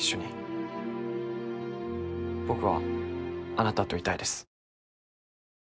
僕はあなたといたいです。